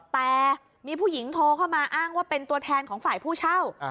แต่มีผู้หญิงโทรเข้ามาอ้างว่าเป็นตัวแทนของฝ่ายผู้เช่า